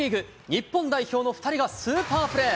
日本代表の２人がスーパープレー。